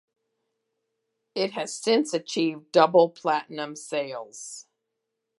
It has since achieved double-platinum sales.